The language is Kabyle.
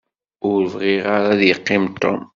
Ur bɣiɣ ara ad yeqqim Tom.